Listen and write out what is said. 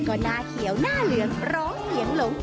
ก็หน้าเขียวหน้าเหลืองร้องเสียงหลง